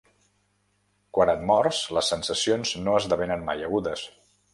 Quan et mors, les sensacions no esdevenen mai agudes